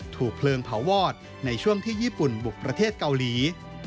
ถูกเพลิงเผาวอดในช่วงที่ญี่ปุ่นบุกประเทศเกาหลี